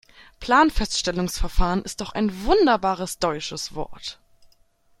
Planfeststellungsverfahren ist doch ein wunderbares deutsches Wort.